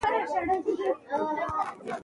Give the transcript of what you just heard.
ازادي راډیو د روغتیا په اړه د پېښو رپوټونه ورکړي.